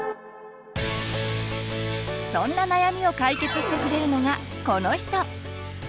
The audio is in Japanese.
そんな悩みを解決してくれるのがこの人！